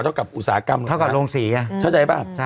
เท่ากับโรงศรีอ่ะ